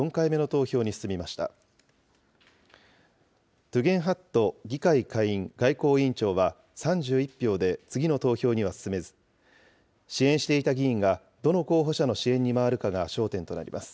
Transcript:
トゥゲンハット議会下院外交委員長は３１票で次の投票には進めず、支援していた議員がどの候補者の支援に回るかが焦点となります。